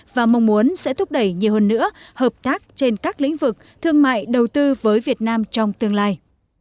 và mong muốn sẽ thúc đẩy nhiều hơn nữa hợp tác trên các lĩnh vực thương mại đầu tư với việt nam trong tương lai